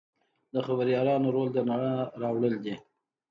د خبریالانو رول د رڼا راوړل دي.